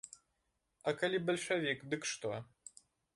А калі бальшавік, дык што?